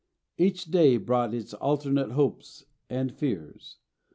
Each day brought its alternate hopes and fears.